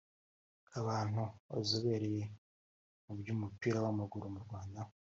k’abantu bazobereye mu by’umupira w’amaguru mu Rwanda